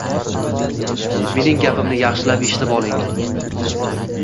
Mening gapimni yaxshilab eshitib oling